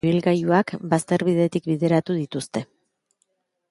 Ibilgailuak bazterbidetik bideratu dituzte.